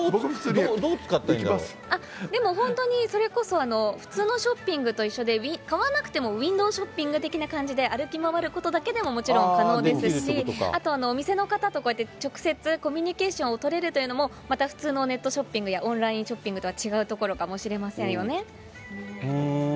ど、でも本当に、それこそ普通のショッピングと一緒で、買わなくてもウインドーショッピング的な感じで歩き回ることだけでももちろん可能ですし、あとお店の方と直接コミュニケーションを取れるというのも、また普通のネットショッピングやオンラインショッピングとは違うふーん？